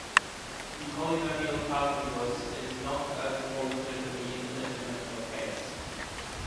The polynomial calculus is not as informative in the infinite-dimensional case.